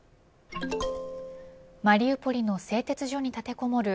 マリウポリの製鉄所に立てこもる